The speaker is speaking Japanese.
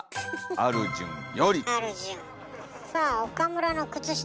さあ岡村の靴下